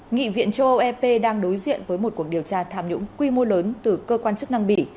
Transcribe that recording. nghị viện châu âu ep đang đối diện với một cuộc điều tra tham nhũng quy mô lớn từ cơ quan chức năng bỉ